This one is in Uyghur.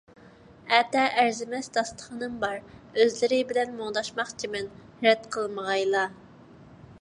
ئەتە ئەرزىمەس داستىخىنىم بار، ئۆزلىرى بىلەن مۇڭداشماقچىمەن، رەت قىلمىغايلا.